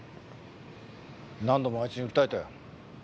何度もあいつに訴えたよ。